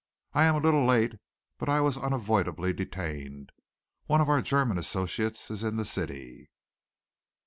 I am a little late but I was unavoidably detained. One of our German associates is in the city."